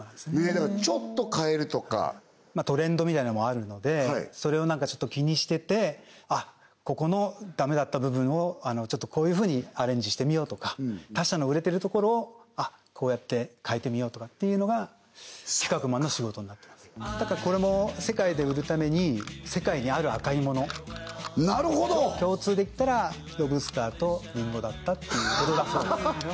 だからちょっと変えるとかトレンドみたいのもあるのでそれをなんか気にしててあっここのダメだった部分をちょっとこういうふうにアレンジしてみようとか他社の売れてるところをこうやって変えてみようとかっていうのが仕事になってますだからこれも世界で売るために世界にある赤いものなるほど！の共通でいったらロブスターとリンゴだったっていうことだそうです